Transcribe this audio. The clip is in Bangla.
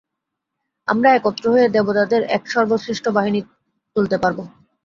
আমরা একত্র হয়ে দেবতাদের এক সর্বশ্রেষ্ঠ বাহিনী তুলতে পারবো।